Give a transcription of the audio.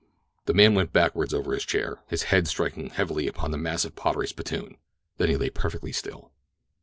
The man went backward over his chair, his head striking heavily upon a massive pottery spittoon. Then he lay perfectly still.